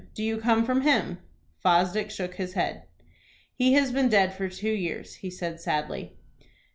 Do you come from him?" Fosdick shook his head. "He has been dead for two years," he said, sadly.